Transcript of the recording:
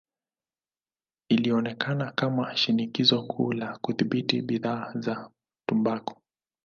Ilionekana kama shinikizo kuu la kudhibiti bidhaa za tumbaku.